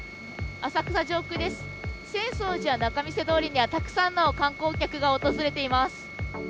浅草寺や仲見世通りにはたくさんの観光客が訪れています。